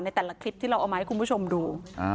แต่ละคลิปที่เราเอามาให้คุณผู้ชมดู